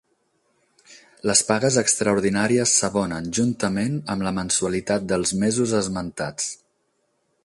Les pagues extraordinàries s'abonen juntament amb la mensualitat dels mesos esmentats.